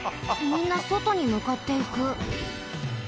みんなそとにむかっていく。